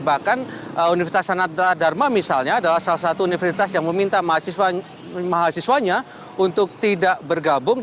bahkan universitas sanadra dharma misalnya adalah salah satu universitas yang meminta mahasiswanya untuk tidak bergabung